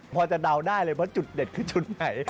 พอจะเดาได้เลยว่าจุดเด็ดคือจุดไหน